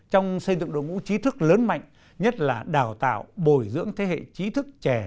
trong xây dựng đội ngũ trí thức lớn mạnh nhất là đào tạo bồi dưỡng thế hệ trí thức trẻ